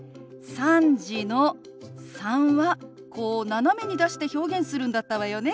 「３時」の「３」はこう斜めに出して表現するんだったわよね。